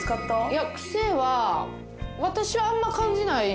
いや癖は私はあんま感じない。